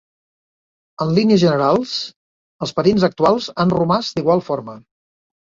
En línies generals els patins actuals han romàs d'igual forma.